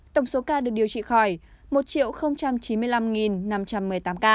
tổng số ca được điều trị khỏi một chín mươi năm năm trăm một mươi tám ca